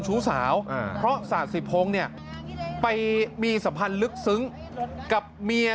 ชู้สาวเพราะศาสิพงศ์เนี่ยไปมีสัมพันธ์ลึกซึ้งกับเมีย